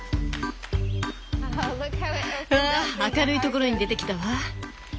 わあ明るいところに出てきたわ。